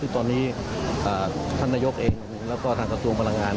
ซึ่งตอนนี้ท่านนายกเองแล้วก็ทางกระทรวงพลังงาน